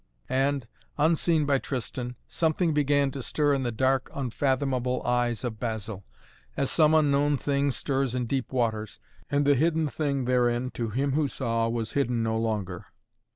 And, unseen by Tristan, something began to stir in the dark, unfathomable eyes of Basil, as some unknown thing stirs in deep waters, and the hidden thing therein, to him who saw, was hidden no longer.